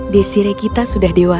dia juga sangat berani untuk menikah